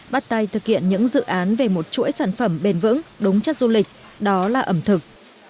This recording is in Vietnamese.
bắt tay thực hiện những dự án về một chuỗi sản phẩm bền vững đúng chất du lịch đó là ẩm thực